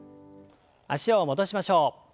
脚を戻しましょう。